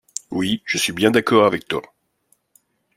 Oui, je suis bien d'accord avec toi.